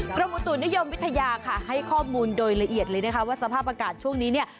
กรมอุตุนิยมวิทยาค่ะให้ข้อมูลโดยละเอียดเลยนะคะว่าสภาพอากาศช่วงนี้เนี่ย